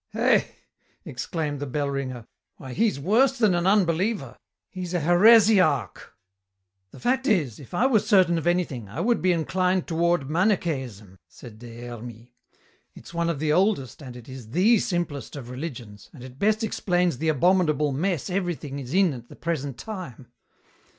"He!" exclaimed the bell ringer. "Why, he's worse than an unbeliever, he's a heresiarch." "The fast is, if I were certain of anything, I would be inclined toward Manicheism," said Des Hermies. "It's one of the oldest and it is the simplest of religions, and it best explains the abominable mess everything is in at the present time.